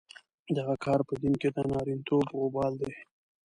دغه کار په دین کې د نارینتوب وبال دی.